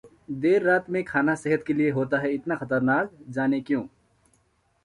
देर रात में खाना सेहत के लिए होता है इतना खतरनाक, जानें क्यों